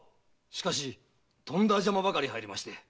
しかしとんだ邪魔ばかり入りまして。